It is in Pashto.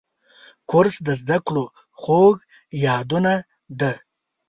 کورس د زده کړو خوږ یادونه ده.